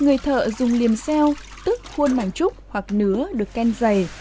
người thợ dùng liềm seo tức khuôn màng trúc hoặc nứa được ken dày